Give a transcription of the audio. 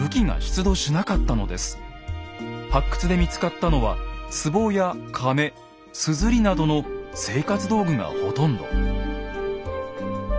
発掘で見つかったのはつぼやかめすずりなどの生活道具がほとんど。